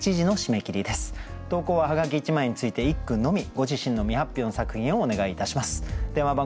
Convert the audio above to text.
ご自身の未発表の作品をお願いいたします。